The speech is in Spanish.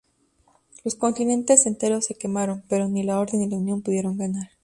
Los continentes enteros se quemaron, pero ni la Orden ni la Unión pudieron ganar.